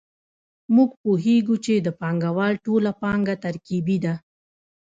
موږ پوهېږو چې د پانګوال ټوله پانګه ترکیبي ده